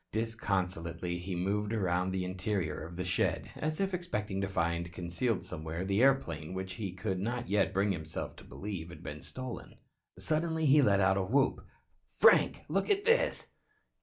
Disconsolately he moved around the interior of the shed, as if expecting to find concealed somewhere the airplane which he could not yet bring himself to believe had been stolen. Suddenly he let out a whoop. "Frank, look at this."